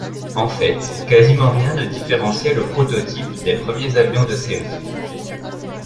En fait, quasiment rien ne différenciait le prototype des premiers avions de série.